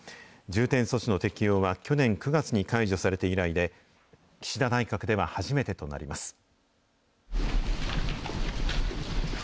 重点措置の適用は去年９月に解除されて以来で、岸田内閣では初めてとなります。